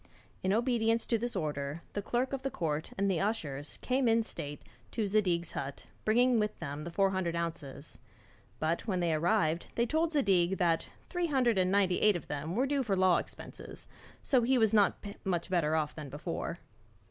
In obedience to this order, the clerk of the court and the ushers came in state to Zadig's hut, bringing with them the four hundred ounces; but, when they arrived, they told Zadig that three hundred and ninety eight of them were due for law expenses, so he was not much better off than before.